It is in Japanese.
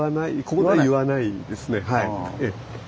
ここでは言わないですね。